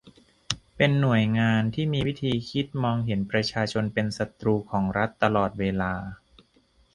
เป็นหน่วยงานที่มีวิธีคิดมองเห็นประชาชนเป็นศัตรูของรัฐตลอดเวลา